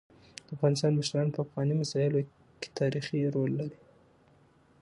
د افغانستان مشران په افغاني مسايلو کيتاریخي رول لري.